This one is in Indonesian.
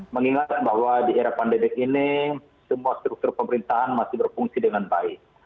mengingat bahwa di era pandemi ini semua struktur pemerintahan masih berfungsi dengan baik